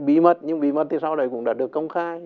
bí mật nhưng bí mật thì sau này cũng đã được công khai